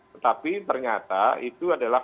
tetapi ternyata itu adalah